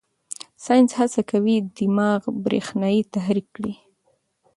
ساینس هڅه کوي دماغ برېښنايي تحریک کړي.